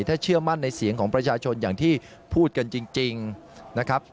ถ้าเชื่อมั่นในเสียงของประชาชนอย่างที่พูดกันจริงนะครับ